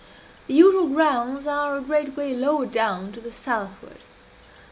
The usual grounds are a great way lower down to the southward.